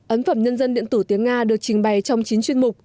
ấn phẩm nhân dân điện tử tiếng nga được trình bày trong chín chuyên mục